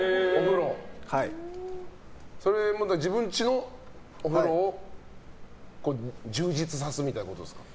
それは自分んちのお風呂を充実さすみたいなことですか。